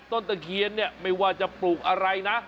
ตะเคียนเนี่ยไม่ว่าจะปลูกอะไรนะ